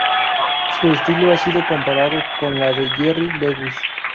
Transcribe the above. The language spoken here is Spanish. Su estilo ha sido comparado con la de Jerry Lewis.